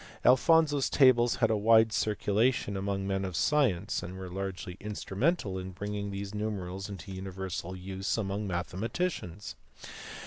Alphonso s tables had a wide circulation among men of science and were largely instrumental in bringing these numerals into universal use among mathematicians.